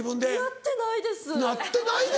やってないです！